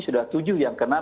sudah tujuh yang kenal